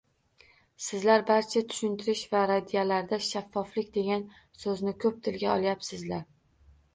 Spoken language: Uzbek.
Sizlar barcha tushintirish va raddiyalarda “shaffoflik” degan soʻzni koʻp tilga olyapsizlar.